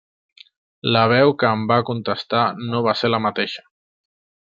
La veu que em va contestar no va ser la mateixa.